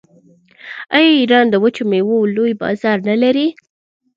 آیا ایران د وچو میوو لوی بازار نلري؟